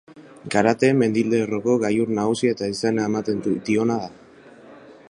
Garate mendilerroko gailur nagusia eta izena ematen diona da.